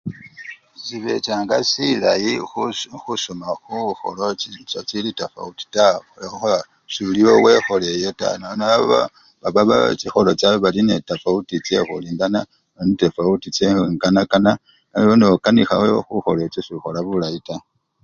Sesibechanaga silayi khusoma khukholo chi! chichili tafawuti taa lwekhuba soli ewe wekholo eyo taa nono aba bechikholo chabwe baba nende tafawuti chekhulindana oba tafawuti chengagakana nono nokanikha khukholo echo sokhola bulayi taa.